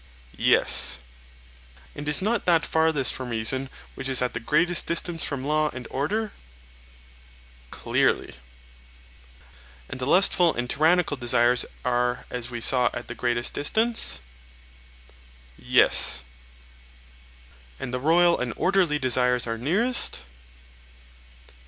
Yes. And is not that farthest from reason which is at the greatest distance from law and order? Clearly. And the lustful and tyrannical desires are, as we saw, at the greatest distance? Yes. And the royal and orderly desires are nearest?